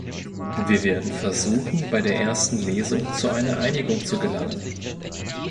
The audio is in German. Wir werden versuchen, bei der ersten Lesung zu einer Einigung zu gelangen.